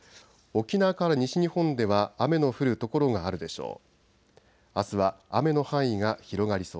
沖縄から西日本では雨の降る所があるでしょう。